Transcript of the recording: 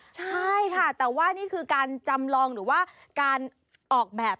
ใช่ค่ะแต่ว่านี่คือการจำลองหรือว่าการออกแบบ